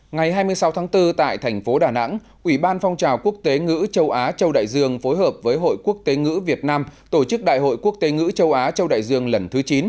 ngày hai mươi sáu tháng bốn tại thành phố đà nẵng ủy ban phong trào quốc tế ngữ châu á châu đại dương phối hợp với hội quốc tế ngữ việt nam tổ chức đại hội quốc tế ngữ châu á châu đại dương lần thứ chín